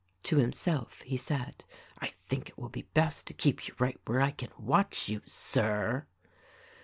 To himself he said, "I think it will be best to keep you right where I can watch you, Sir."